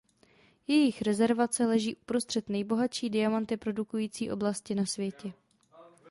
Jejich rezervace leží uprostřed nejbohatší diamanty produkující oblasti na světě.